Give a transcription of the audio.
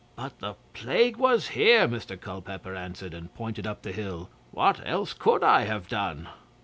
'But the plague was here,' Mr Culpeper answered, and pointed up the hill. 'What else could I have done?